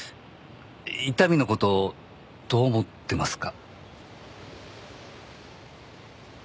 伊丹の事どう思ってますか？